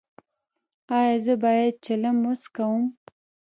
ایا زه باید چلم وڅکوم؟